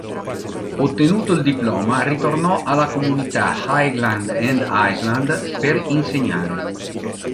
Ottenuto il diploma ritornò alla comunità "Highland and Island" per insegnare.